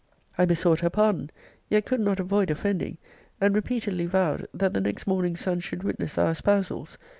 I besought her pardon, yet could not avoid offending; and repeatedly vowed, that the next morning's sun should witness our espousals.